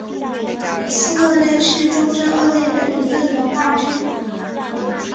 新鳄类是中真鳄类的一个演化支。